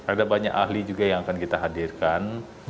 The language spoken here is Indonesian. ada banyak ahli juga yang akan kita hadirkan